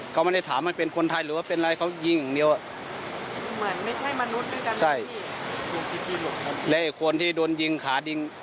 เขามาได้ถามว่าเป็นคนไทยหรือเป็นอะไร